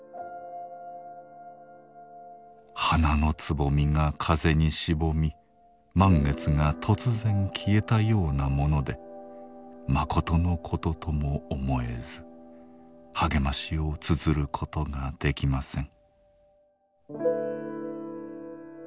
花のつぼみが風にしぼみ満月が突然消えたようなものでまことのこととも思えず励ましを綴ることができません。